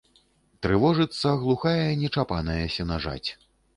Трывожыцца глухая нечапаная сенажаць.